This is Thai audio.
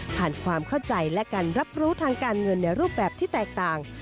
ความเข้าใจและการรับรู้ทางการเงินในรูปแบบที่แตกต่าง